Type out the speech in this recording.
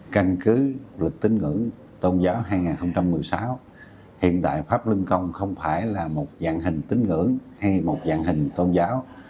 căn cứ lịch tính ngưỡng tôn giáo hai nghìn một mươi sáu hiện tại pháp luân công không phải là một dạng hình tính ngưỡng hay một dạng hình tôn giáo